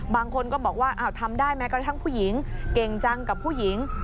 บางคนก็บอกว่าทำได้แม้กระทั่งผู้หญิงเก่งจังกับผู้หญิง